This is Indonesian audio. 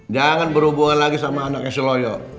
jangan berhubungan lagi sama anaknya seloyo